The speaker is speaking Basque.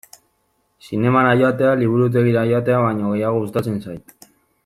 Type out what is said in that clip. Zinemara joatea liburutegira joatea baino gehiago gustatzen zait.